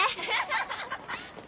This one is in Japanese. アハハハ。